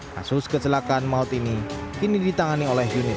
kasus kecelakaan maut ini kini ditangani oleh unit